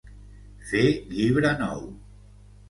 Fer llibre nou.